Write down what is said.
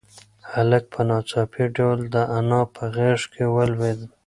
هلک په ناڅاپي ډول د انا په غېږ کې ولوېد.